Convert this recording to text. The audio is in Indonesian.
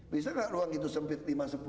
bisa nggak ruang itu sempit